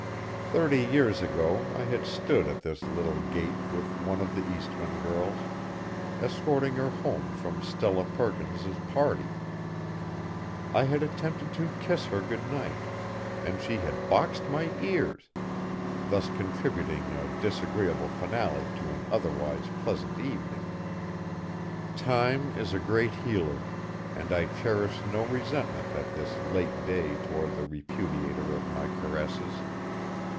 Thirty years ago I had stood at this little gate with one of the Eastmann girls, escorting her home from Stella Perkins's party. I had attempted to kiss her good night, and she had boxed my ears, thus contributing a disagreeable finale to an otherwise pleasant evening. Time is a great healer and I cherished no resentment at this late day toward the repudiator of my caresses.